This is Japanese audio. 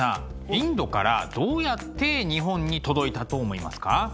インドからどうやって日本に届いたと思いますか？